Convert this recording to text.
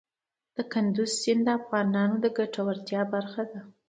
کندز سیند د افغانانو د ګټورتیا برخه ده.